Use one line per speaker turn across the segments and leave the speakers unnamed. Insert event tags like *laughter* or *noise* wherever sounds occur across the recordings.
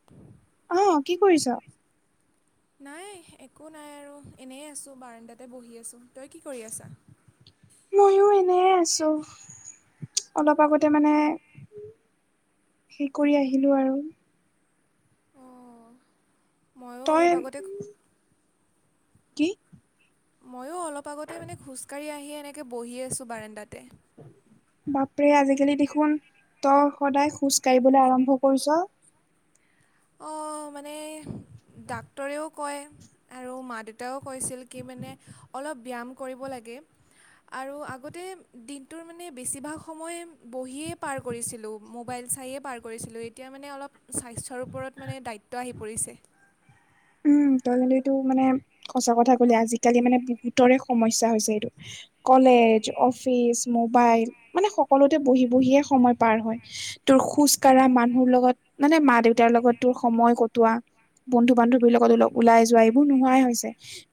*inaudible*
অহ কি কৰিছ
নাই একো নাই আৰু এনেই আছোঁ বাৰাণ্ডাতে বহি আছোঁ তই কি কৰি আছ।
ময়ো এনেই আছোঁ! অলপ আগতে মানে হেৰি কৰি আহিলো আৰু,
আৰু
তই
অলপ আগতে
কি?
ময়ো অলপ আগতে মানে খোজকাঢ়ি আহি এনেকে বহি আছো বাৰাণ্ডাতে।
বাপৰে আজিকালি দেখোন তই সদায় খোজ কাঢ়িবলৈ আৰম্ভ কৰিছ।
অঁ, মানে ডাক্তৰেও কয়! আৰু মা দেউতাও কৈছিল কি মানে অলপ ব্যায়াম কৰিব লাগে! আৰু আগতে দিনটোৰ মানে বেছিভাগ সময় বহিয়ে পাৰ কৰিছিলোঁ মোবাইল চায়ে পাৰ কৰিছিলোঁ এতিয়া মানে অলপ স্বাস্থ্যৰ, ওপৰত মানে দায়িত্ব আহি পৰিছে!
উম তই এইটো মানে সঁচা কথা ক'লে আজিকালি মানে বহুতৰে সমস্যা হৈছে এইটো। কলেজ, অফিচ, মোবাইল মানে সকলোতে বহি বহিয়ে সময় পাৰ হয়! তোৰ খোজ কঢ়া মানুহ লগত, মানে মা দেউতাৰ লগত তোৰ সময় কটোৱা বন্ধু বান্ধৱীৰ লগতো লগ ওলাই যোৱা এইবোৰ নোহোৱাই হৈছে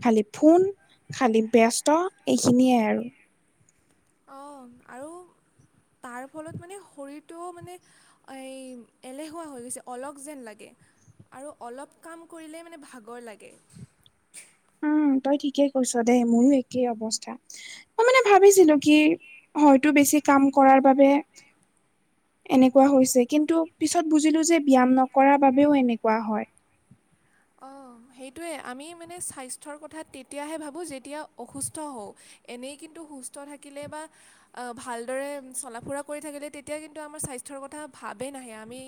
খালি ফোন খালি ব্যস্ত এইখিনিয়ে আৰু
অঁ আৰু তাৰ ফলত মানে শৰীৰটোও মানে এই এলেহুৱা হৈ গৈছে অল স যেন লাগে! আৰু অলপ কাম কৰিলেই মানে ভাগৰ লাগে!
উম তই ঠিকেই কৈছ দেই মোৰো একেই অৱস্থা মই মানে ভাবিছিলো কি হয়তো বেছি কাম কৰাৰ বাবে, এনেকুৱা হৈছে কিন্তু পিছত বুজিলোঁ যে ব্যায়াম নকৰাৰ বাবেও এনেকুৱা হয়!
অঁ সেইটোৱে আমি মানে স্বাস্থ্যৰ কথা তেতিয়াহে ভাবোঁ যেতিয়া অসুস্থ হওঁ। এনেই কিন্তু সুস্থ থাকিলে বা, অঁ, ভালদৰে চলা ফুৰা কৰি থাকিলে তেতিয়া কিন্তু আমাৰ স্বাস্থ্যৰ কথা ভাৱেই নাহে আমি,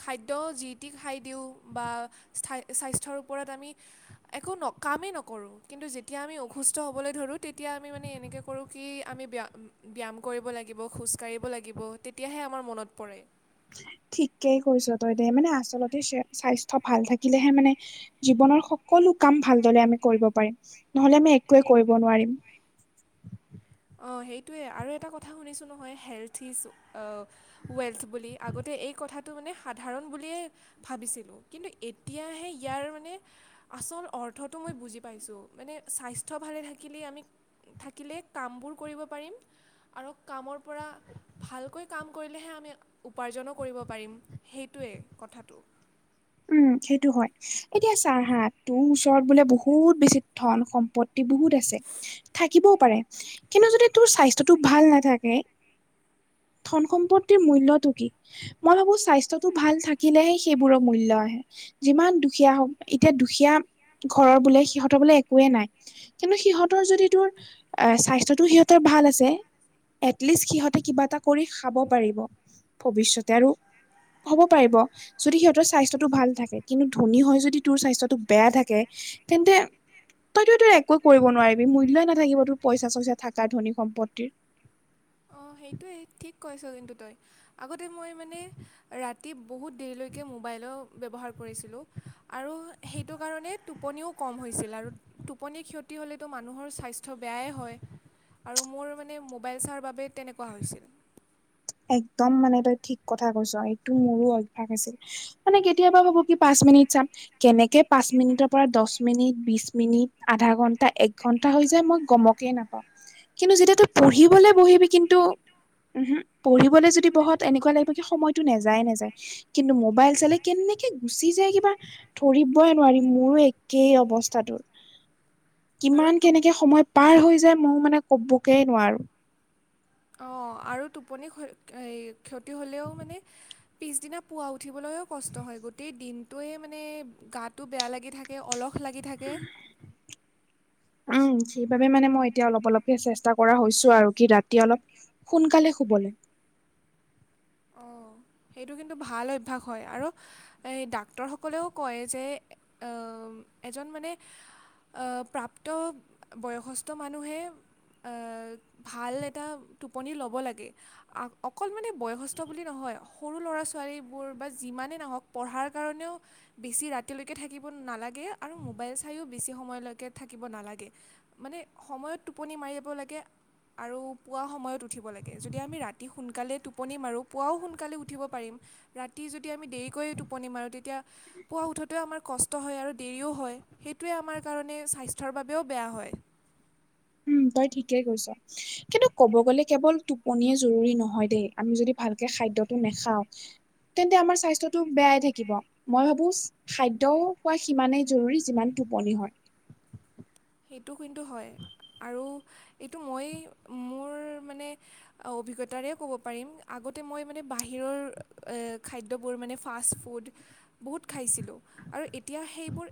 খাদ্য যি টি খাই দিওঁ বা স্থাই স্বাস্থ্যৰ ওপৰত আমি। একো ন কামেই নকৰোঁ! কিন্তু যেতিয়া আমি অসুস্থ হ'বলৈ ধৰোঁ তেতিয়া আমি মানে এনেকৈ কৰোঁ কি আমি বেযা, ব্যায়াম কৰিব লাগিব খোজকাাঢ়িব লাগিব তেতিয়াহে আমাৰ মনত পৰে!
ঠিকেই কৈছ তই দে মানে আচলতে স্বাস্থ্য ভাল থাকিলেহে মানে। জীৱনৰ সকলো কাম ভালদৰে আমি কৰিব পাৰিম নহলে আমি একোৱে কৰিব নোৱাৰিম।
অঁ সেইটোৱে আৰু এটা কথা শুনিছোঁ নহয় হেল্থ ইজ অঁ, ৱেলথ বুলি আগতে এই কথাটো মানে সাধাৰণ বুলিয়েই, ভাবিছিলোঁ কিন্তু এতিয়াহে ইয়াৰ মানে, আচল অৰ্থটো মই বুজি পাইছোঁ মানে স্বাস্থ্য ভালে থাকিলেই আমি থাকিলে। কামবোৰ কৰিব পাৰিম আৰু কামৰ পৰা। ভালকৈ কাম কৰিলেহে আমি উপাৰ্জনো কৰিব পাৰিম সেইটোৱেই কথাটো,।
উম, সেইটো হয় এতিয়া চাহা হা তোৰ ওচৰত বোলে বহুত বেছি ধন সম্পত্ত,। কি বহুত আছে থাকিবও পাৰে কিন্তু যদি তোৰ স্বাস্থ্যটো ভাল নাথাকে! ধন সম্পত্তিৰ মূল্য টো কি মই ভাবো স্বাস্থ্যটো ভাল থাকিলেহে সেইবোৰক। মূল্য আহে! যিমান দুখীয়া হওক এতিয়া দুখীয়া ঘৰৰ বোলে সিহঁতৰ বোলে একোৱেই নাই! কিন্তু সিহঁতৰ যদি তোৰ স্বাস্থ্য টো সিহঁতৰ ভাল আছে। এটলিষ্ট সিহঁতে কিবা এটা কৰি খাব পাৰিব ভৱিষ্যতে আৰু। হ'ব পাৰিব যদি সিহঁত, ত স্বাস্থ্যটো ভাল থাকে কিন্তু ধনী হৈ যদি তোৰ স্বাস্থ্যটো বেয়া থাকে! তেন্তে, তইত তোৰ একো কৰিব নোৱাৰিবি মূল্যয়ই নাথাকিব তোৰ পইচা চইচা থাক ধনী সম্পত্তিৰ।
অঁ সেইটোৱে ঠিক কৈছ! কিন্তু তই আগতে মই মানে ৰাতি, তি বহুত দেৰিলৈকে মোবাইলো ব্যৱহাৰ কৰিছিলোঁ, আৰু সেইটো কাৰণে টোপনিও কম হৈছিল আৰু। টোপনি ক্ষতি হ'লেতো মানুহৰ স্বাস্থ্য বেয়াই হয়। আৰু মোৰ মানে মোবাইল চাৰ বাবে তেনেকুৱা হৈছিল।
একদম মানে তই ঠিক কথা কৈছ এইটো মোৰো অভ্যয়াস আছিল। মানে কেতিয়াবা ভাবো কি পাঁচ মিনিট চাম,। কেনেকে পাঁচ মিনিটৰ পৰা দহ মিনিট বিশ মিনিট আধা ঘন্টা এক ঘন্টা হৈ যায় মই গমক। নাপাওঁ কিন্তু যেতিয়া তই পঢ়িবলে বহিবি কিন্তু উহু। পঢ়িবলৈ যদি বহত এনেকুৱা লাগিব কি সময়তটো নাযায়ে নাযায়। কিন্তু মোবাইল চালে কেনেকে গুচি যায় কিবা, ধৰিবই নোৱাৰিম মোৰো একেই অৱস্থাটোৰ।
আৰু
কিমান
টোপ
কেনেকে সময় পাৰ হৈ যায় ময়ও মানে কবকেই নোৱাৰো!
অঁ আৰু টোপনি ক্ষ ক্ষতি হ'লেও মানে, পিছদিনা পুৱা উঠিবলৈও কষ্ট হয় গোটেই দিনটোয়ে মানে গাটো বেয়া লাগি থাকে! তে অলহ লাগি থাকে।
উম সেইবাবে মানে মই এতিয়া অলপ অলপকে চেষ্টা কৰা হৈছো আৰু। কি ৰাতি অলপ সোনকালে শুবল লাগে!
অঁ সেইটো কিন্তু ভাল অভ্যাস হয় আৰু, এই ডাক্তৰসকলেও কয় যে এজন মানে অ প্ৰাপ্ত বয়সস্থ মানুহে ভাল এটা টোপনি ল'ব লাগে। আ-অকল মানে ব কষ্ট বুলি নহয় সৰু ল'ৰা ছোৱালীবোৰ বা যিমানেই নহওক পঢ়াৰ কাৰণেও বেছি ৰাতিলৈকে থাকিব নালাগে আৰু মোবাইল চাইও বেছি সময়লৈকে থাকিব নালাগে। মানে সময়ত টোপনি মাৰি যাব লাগে আৰু পোৱা সময়ত উঠিব লাগে। যদি আমি ৰাতি সোনকালে টোপনি মাৰোঁ পুৱাও সোনকালে উঠিব পাৰিম। ৰাতি যদি আমি দেৰিকৈ টোপনি মাৰোঁ তেতিয়া পোৱাা উঠোতেও আমাৰ কষ্ট হয় আৰু দেৰিও হয়। সেইটোৱে আমাৰ কাৰণে স্বাস্থ্যৰ বাবেও বেয়া হয়।
উম তই ঠিকেই কৈছা। কিন্তু কব গ'লে কেৱল টোপনিয়ে জৰুৰী নহয় দেই আমি যদি ভালকে খাদ্যটো নাখাওঁ, তেন্তে আমাৰ স্বাস্থ্যটো বেয়াই থাকিব। মই ভাবো খাদ্যও খোৱা সিমানেই জৰুৰী যিমান টোপনি হয়।
সেইটো কিন্তু হয় আৰু এইটো মই মোৰ মানে অভিজ্ঞতাৰে ক'ব পাৰিম আগতে মই মানে বাহিৰৰ খাদ্যবোৰ মানে ফাষ্ট ফুড বহুত খাইছিলোঁ আৰু এতিয়া সেইবোৰ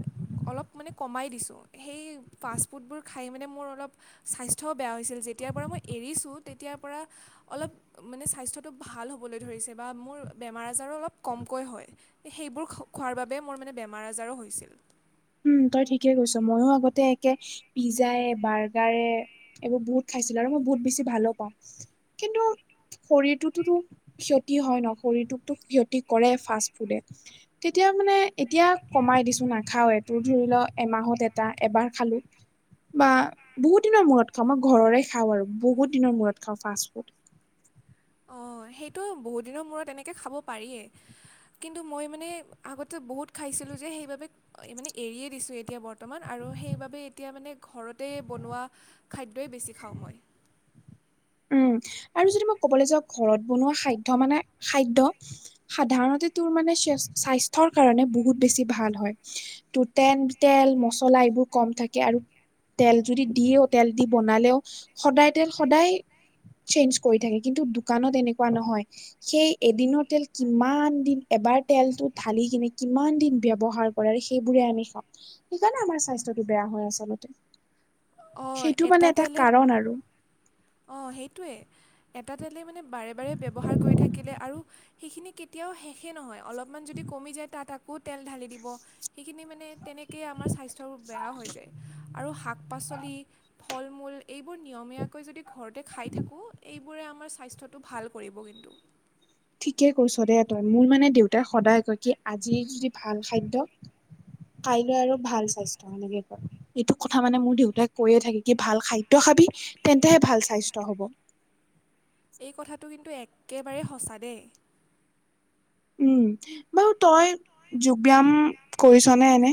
অলপ মানে কমাই দিছোঁ সেই ফাষ্ট ফুডবোৰ খাই মানে মোৰ অলপ স্বাস্থ্যও বেয়া হৈছিল, যেতিয়াৰ পৰা মই এৰিছোঁ তেতিয়াৰ পৰা অলপ মানে স্বাস্থ্যটো ভাল হ'বলৈ ধৰিছে বা মোৰ বেমাৰ-আজাৰো অলপ কমকৈ হয়। সেইবোৰ খোৱাৰ বাবে মোৰ মানে বেমাৰ-আজাৰো হৈছিল।
উম তই ঠিকে কৈছ মইয়ো আগতে একে পিজ্জাই বাৰ্গাৰে এইবোৰ বহুত খাইছিলো আৰু মই বহুত বেছি ভালো পাওঁ। কিন্তু শৰীৰটোতোতো ক্ষতি হয় ন শৰীৰটোকতো ক্ষতি কৰে ফাষ্ট ফুডে। তেতিয়া মানে এতিয়া কমাই দিছো নাখাৱে। তোৰ ধৰি ল এমাহত এটা এবাৰ খালোঁ, বা বহুত দিনৰ মূৰত খাওঁ মই ঘৰৰে খাওঁ আৰু বহুত দিনৰ মূৰত খাওঁ ফাষ্ট ফুড।
অ সেইটো বহুতদিনৰ মূৰত এনেকে খাব পাৰেই। কিন্তু মই মানে আগতে বহুত খাইছিলোঁ যে সেইবাবে মানে এৰিয়ে দিছোঁ এতিয়া বৰ্তমান আৰু সেইবাবে এতিয়া মানে ঘৰতে বনোৱা খাদ্যই বেছি খাওঁ মই।
উম আৰু যদি মই ক'বলৈ যাওঁ ঘৰত বনোৱা খাদ্য মানে খাদ্য সাধাৰণতে তোৰ মানে স্বাস্থ্যৰ কাৰণে বহুত বেছি ভাল হয়। তোৰ তেন তেল মচলা এইবোৰ কম থাকে আৰু তেল যদি দিয়েও তেল দি বনালেও সদায় তেল সদায় চেঞ্জ কৰি থাকে, কিন্তু দোকানত এনেকুৱা নহয়, সেই এদিনৰ তেল কিমান দিন এবাৰ তেলটো ঢালি কিনে কিমান দিন ব্যৱহাৰ সেইবোৰে আমি খাওঁ। সেইকাৰণে আমাৰ স্বাস্থ্যটো বেয়া হয় আচলতে।
অ
সেইটো মানে
এটা তেলে
কাৰণ আৰু
অ সেইটোৱে এটা তেলেই মানে বাৰে বাৰে ব্যৱহাৰ কৰি থাকিলে আৰু সেইখিনি কেতিয়াও শেষেই নহয়, অলপমান যদি কমি যায় তাত আকৌ তেল ঢালি দিব সেইখিনি মানে তেনেকেই আমাৰ স্বাস্থ্যবোৰ বেয়া হৈ যায়। আৰু শাক-পাচলি, ফল-মূল এইবোৰ নিয়মীয়াকৈ যদি ঘৰতে খাই থাকোঁ, এইবোৰে আমাৰ স্বাস্থ্যটো ভাল কৰিব কিন্তু।
ঠিকে কৈছ দে তই। মোৰ মানে দেউতাই সদায় কয় কি আজি যদি ভাল খাদ্য কাইলৈ আৰু ভাল স্বাস্থ্য ক এইটো কথা মানে মোৰ দেউতাই কৈয়ে থাকে। ভাল খাদ্য খাবি তেন্তেহে ভাল স্বাস্থ্য হ'ব।
এই কথাটো কিন্তু একেবাৰে সঁচা দেই।
উমঁ বাৰু তই যোগ ব্যায়াম কৰিছনে এনে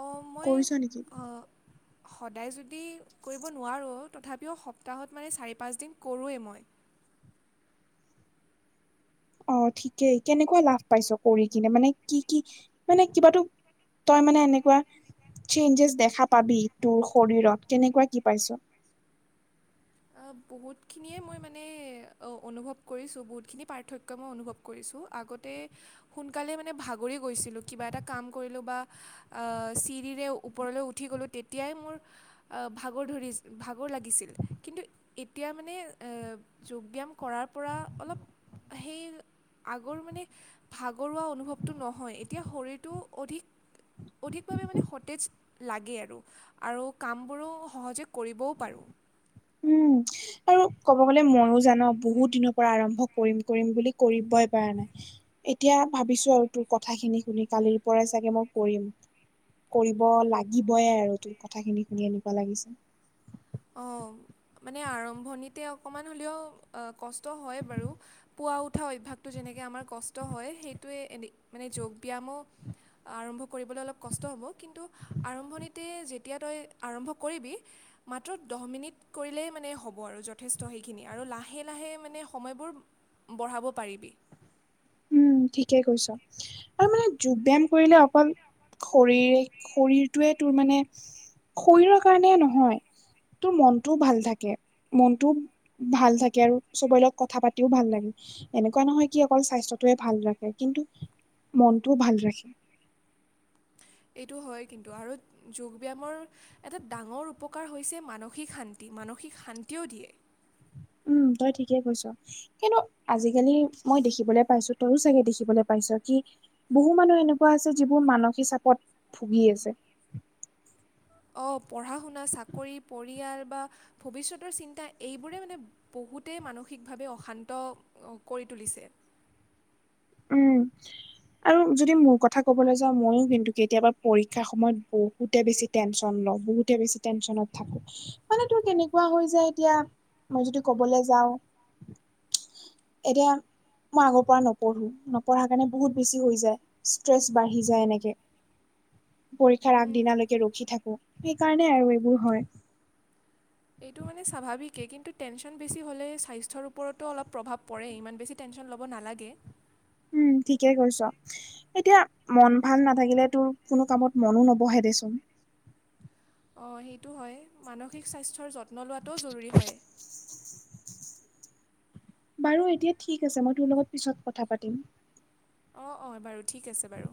অঁ মই
কৰিছোঁ নেকি?
অঁ, সদায় যদি কৰিব নোৱাৰোঁ তথাপিও সপ্তাহত মানে চাৰি পাঁচদিন কৰোঁৱেই মই।
অঁ ঠিকেই কেনেকুৱা লাভ পাইছ কৰি কিনে মানে কি কি মানে কিবাতো তই মানে এনেকুৱা চেঞ্জেছ দেখা পাবি তোৰ শৰীৰত কেনেকুৱা কি পাইছ।
আ বহুত খিনিয়ে মই মানে অনুভৱ কৰিছোঁ বহুতখিনি পাৰ্থক্য মই অনুভৱ কৰিছোঁ আগতে সোনকালে মানে ভাগৰি গৈছিলোঁ কিবা এটা কাম কৰিলোঁ বা আ চিৰিৰে ওপৰলৈ উঠি গ'লোঁ তেতিয়াই মোৰ আহ ভাগৰ ধৰি ভাগৰ লাগিছিল। কিন্তু এতিয়া মানে যোগ ব্যায়াম কৰাৰ পৰা অলপ সেই আগৰ মানে ভাগৰুৱা অনুভৱটো নহয় এতিয়া শৰীৰটো অধিক অধিকভাৱে মানে সতেজ লাগে আৰু। আৰু কামবোৰো সহজে কৰিবও পাৰোঁ।
*inaudible* আৰু ক'ব গ'লে ময়ও জান বহুত দিনৰ পৰা আৰম্ভ কৰিম কৰিম বুলি কৰিবই পৰা নাই। এতিয়া ভাবিছো আৰু তোৰ কথাখিনি শুনি কালিৰ পৰাই চাগে মই কৰিম। কৰিব লাগিবয়ে আৰু তোৰ কথা খিনি শুনি এনেকোৱা লাগিছে।
অঁ মানে আৰম্ভণিতে অকণমান হ'লেও কষ্ট হয় বাৰু। পোৱা উঠা অভ্যাসটো যেনেকৈ আমাৰ কষ্ট হয় সেইটোৱে মানে যোগ ব্যায়ামো- আৰম্ভ কৰিবলৈ অলপ কষ্ট হ'ব কিন্তু- আৰম্ভণিতে যেতিয়া তই আৰম্ভ কৰিবি। মাথূ দহ মিনিট কৰিলেই মানে হ'ব আৰু যথেষ্ট সেইখিনি আৰু লাহে লাহে মানে সময়বোৰ বঢ়াব পাৰিবি।
উমঁ ঠিকে কৈছ। আৰু মানে যোগ ব্যায়াম কৰিলে অকল শৰৰে শৰীৰটোৱে তোৰ মানে শৰীৰৰ কাৰণে নহয় তোৰ মনটোও ভাল থাকে মনটো- ভাল থাকে আৰু চবৰে লগত কথা পাতিও ভাল লাগে। এনেকুৱা নহয় কি অকল স্বাস্থ্যত এতোয়ে ভাল ৰাখে কিন্তু মনটোও ভাল ৰাখে।
এইটো হয় কিন্তু আৰু যোগ ব্যায়ামৰ এটা ডাঙৰ উপকাৰ হৈছে মানসিক শান্তি মানসিক শান্তিও দিয়ে।
উমঁ তই ঠিকেই কৈছ। কিন্তু আজিকালি মই দেখিবলৈ পাইছো তইও চাগে দেখিবলৈ পাইছ কি বহু মানুহ এনেকুৱা আছে যিবোৰ মানসিক চাপত ভুগি আছে।
অঁ পঢ়া শুনা চাকৰি পৰিয়াল বা ভৱিষ্যতৰ চিন্তা এইবোৰে মানে বহুতেই মানসিকভাৱে অশান্ত কৰি তুলিছে।
উমঁ! আৰু যদি মোৰ কথা ক'বলৈ যাওঁ মইয়ো কিন্তু কেতিয়াবা পৰীক্ষাৰ সময়ত বহুতে বেছি টেনশ্যন লওঁ বহুতে বেছি টেন্যনত থাকে। মানে তোৰ কেনেকুৱা হৈ যায় এতিয়া মই যদি কবলৈ যাও- এতিয়া মই আগৰ পৰা নপঢ়োঁ। পঢ়ো নপঢ়াৰ কাৰণে বহুত বেছি হৈ যায় ষ্ট্ৰেছ বাঢ়ি যায় এনেকে। পৰীক্ষাৰ
উম,
আগদিনালেকে ৰখি থাকে সেইকাৰণে আৰু এইবোৰ হয়।
এইটো মানে স্বাভাৱিকেই কিন্তু টেনশ্যন বেছি হ'লে স্বাস্থ্যৰ ওপৰতো অলপ প্ৰভাৱ পৰে ইমান বেছি টেনশ্যন ল'ব নালাগে।
উম ঠিকে কইছা। এতিয়া মন ভাল নাথাকিলে তোৰ কোনো কামত মনো নবহে দেচোন
অঁ সেইটো হয় মানসিক স্বাস্থ্যৰ যত্ন লোৱাটোও জৰুৰী হয়
বাৰু এতিয়া ঠিক আছে মই তোৰ লগত পিছত কথা পাতিম।
অঁ অঁ বাৰু ঠিক আছে বাৰু।